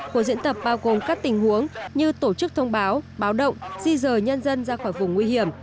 cuộc diễn tập bao gồm các tình huống như tổ chức thông báo báo động di rời nhân dân ra khỏi vùng nguy hiểm